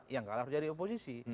yang kalah harus jadi oposisi